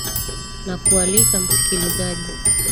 na kualika msikilizaji